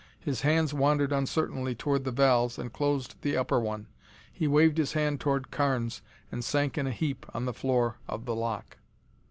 His hands wandered uncertainly toward the valves and closed the upper one. He waved his hand toward Carnes and sank in a heap on the floor of the lock.